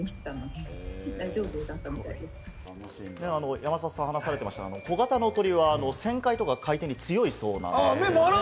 山里さん、話されていましたが小型の鳥は旋回とか回転に強いそうなんですよね。